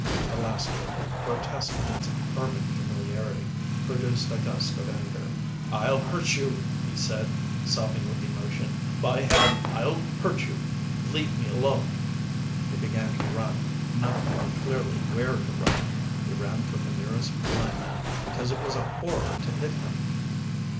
The last order, grotesque in its urban familiarity, produced a gust of anger. "I'll hurt you," he said, sobbing with emotion. "By Heaven, I'll hurt you! Leave me alone!" He began to run—not knowing clearly where to run. He ran from the nearest blind man, because it was a horror to hit him.